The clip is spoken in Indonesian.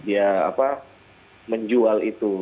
ya apa menjual itu